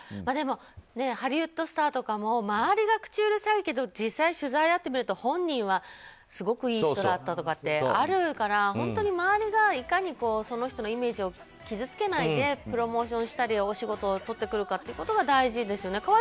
でも、ハリウッドスターとかも周りが口うるさいけど実際取材で会ってみると、本人はすごくいい人だったとかあるから本当に周りがいかにその人のイメージを傷つけないでプロモーションしたりお仕事をとってくるのが大事ですよね。